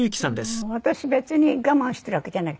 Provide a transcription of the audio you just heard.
私別に我慢してるわけじゃない。